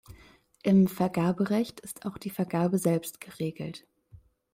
Im Vergaberecht ist auch die Vergabe selbst geregelt.